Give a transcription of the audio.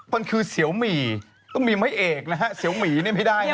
มันคือเสียวหมี่ต้องมีไม้เอกนะฮะเสียวหมีเนี่ยไม่ได้นะ